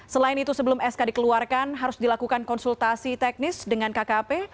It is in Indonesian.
selain itu sebelum sk dikeluarkan harus dilakukan konsultasi teknis dengan kkp